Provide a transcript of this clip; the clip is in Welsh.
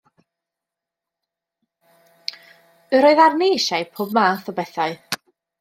Yr oedd arni eisiau pob math o bethau.